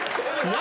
何？